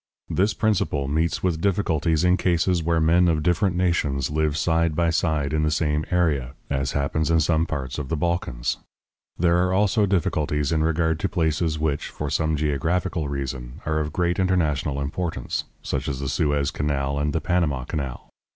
This principle meets with difficulties in cases where men of different nations live side by side in the same area, as happens in some parts of the Balkans. There are also difficulties in regard to places which, for some geographical reason, are of great international importance, such as the Suez Canal and the Panama Canal.